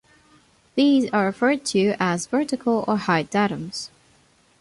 These are referred to as "vertical" or "height datums".